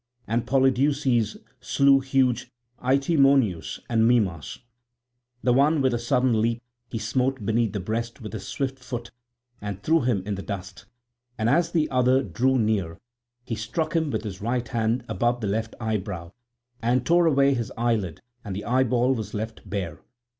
And Polydeuces slew huge Itymoneus and Mimas. The one, with a sudden leap, he smote beneath the breast with his swift foot and threw him in the dust; and as the other drew near he struck him with his right hand above the left eyebrow, and tore away his eyelid and the eyeball was left bare.